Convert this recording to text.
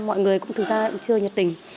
mọi người cũng thực ra chưa nhật tình